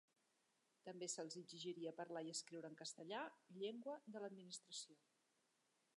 També se'ls exigiria parlar i escriure en castellà, llengua de l'administració.